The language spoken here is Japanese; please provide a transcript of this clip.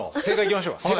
正解いきましょう。